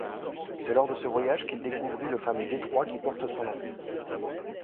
C’est lors de ce voyage qu’il découvrit le fameux détroit qui porte son nom.